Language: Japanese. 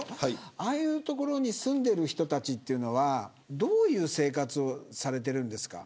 ああいう所に住んでいる人たちはどういう生活をされているんですか。